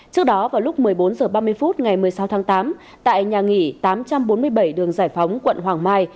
trước đó vào lúc một mươi bốn h ba mươi phút ngày một mươi sáu tháng tám tại nhà nghỉ tám trăm bốn mươi bảy đường giải phóng quận hoàng mai